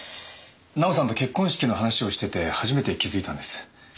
奈緒さんと結婚式の話をしてて初めて気付いたんです。